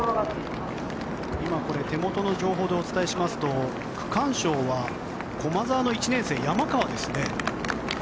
手元の情報でお伝えしますと区間賞は駒澤の１年生山川ですね。